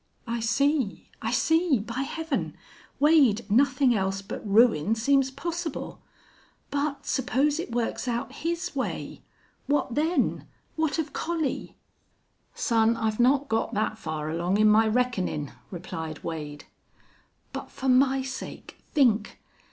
"I see. I see. By Heaven! Wade, nothing else but ruin seems possible!... But suppose it works out his way!... What then? What of Collie?" "Son, I've not got that far along in my reckonin'," replied Wade. "But for my sake think.